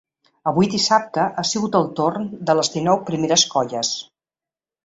Avui dissabte ha sigut el torn de les dinou primeres colles.